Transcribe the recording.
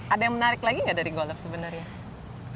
ada yang menarik lagi nggak dari golf sebenarnya